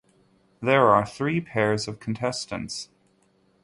There are three pairs of contestants.